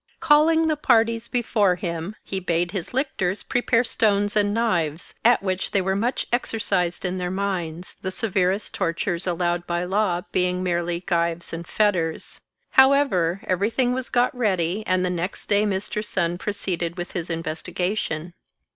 Calling the parties before him, he bade his lictors prepare stones and knives, at which they were much exercised in their minds, the severest tortures allowed by law being merely gyves and fetters. However, every thing was got ready, and the next day Mr. Sun proceeded with his investigation.